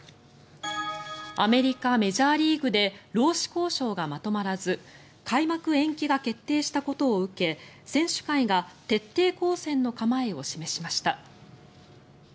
アメリカ・メジャーリーグで労使交渉がまとまらず開幕延期が決定したことを受け選手会が徹底抗戦の構えを示しました。